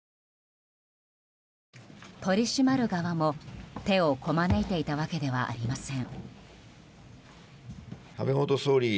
取り締まる側も手をこまねいていたわけではありません。